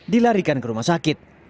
dilarikan ke rumah sakit